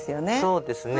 そうですね。